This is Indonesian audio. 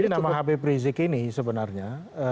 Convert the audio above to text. jadi nama hp prizik ini sebenarnya